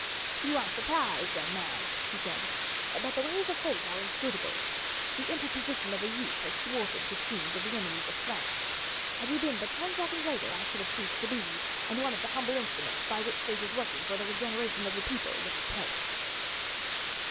"You are surprised, young man," he said, "but the ways of fate are inscrutable. The interposition of a youth has thwarted the schemes of the enemies of France. Had you been but ten seconds later I should have ceased to be, and one of the humble instruments by which fate is working for the regeneration of the people would have perished."